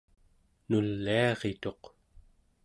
nuliarituq